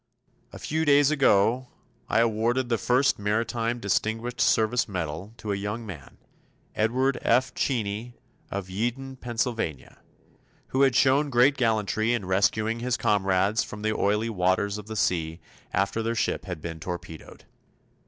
A few days ago I awarded the first Maritime Distinguished Service Medal to a young man Edward F. Cheney of Yeadon, Pennsylvania who had shown great gallantry in rescuing his comrades from the oily waters of the sea after their ship had been torpedoed.